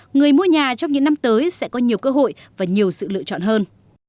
người mua nhà trong những năm tới sẽ có nhiều cơ hội và nhiều sự lựa chọn hơn